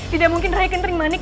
tidak mungkin raih kenteri manik